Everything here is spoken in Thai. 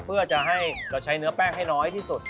เพื่อจะให้เราใช้เนื้อแป้งให้น้อยที่สุด